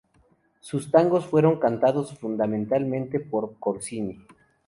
Sus tangos fueron cantados fundamentalmente por Corsini.